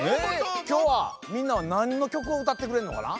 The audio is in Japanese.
きょうはみんなはなんのきょくをうたってくれるのかな？